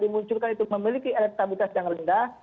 dimunculkan itu memiliki elektabilitas yang rendah